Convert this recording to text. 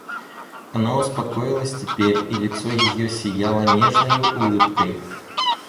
Она успокоилась теперь, и лицо ее сияло нежною улыбкой.